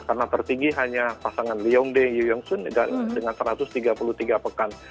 karena tertinggi hanya pasangan leongde yu yong sun dengan satu ratus tiga puluh tiga pekan